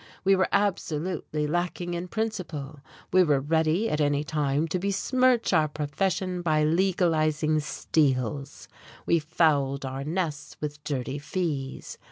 We were absolutely lacking in principle, we were ready at any time to besmirch our profession by legalizing steals; we fouled our nests with dirty fees.